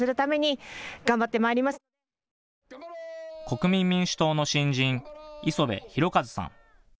国民民主党の新人、礒部裕和さん。